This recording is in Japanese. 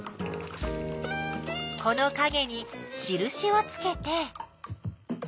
このかげにしるしをつけて。